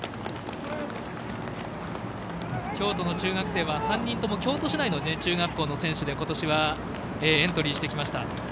京都の中学生は３人とも京都市内の中学校の選手でことしはエントリーしてきました。